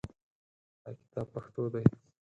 دا کتاب پښتو دی